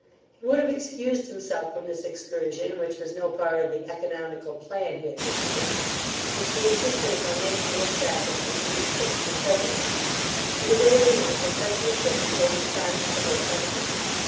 He would have excused himself from this excursion which was no part of the oeconomical plan he had proposed; but she insisted upon making this sacrifice to his taste and prejudices, and away they went with such an equipage as astonished the whole country.